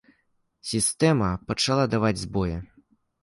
Сістэма пачала даваць збоі.